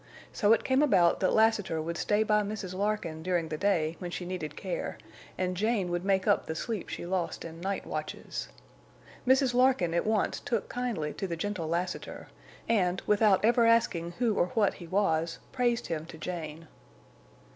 So it came about that Lassiter would stay by Mrs. Larkin during the day, when she needed care, and Jane would make up the sleep she lost in night watches. Mrs. Larkin at once took kindly to the gentle Lassiter, and, without ever asking who or what he was, praised him to Jane.